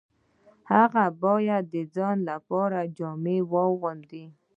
هغه باید د ځان لپاره جامې واغوندي